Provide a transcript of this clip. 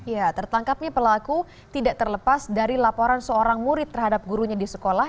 ya tertangkapnya pelaku tidak terlepas dari laporan seorang murid terhadap gurunya di sekolah